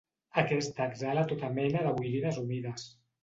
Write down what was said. Aquesta exhala tota mena de boirines humides.